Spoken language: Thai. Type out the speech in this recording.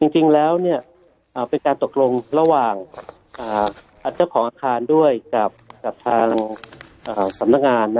จริงแล้วเป็นการตกลงระหว่างเจ้าของอาคารด้วยกับทางสำนักงาน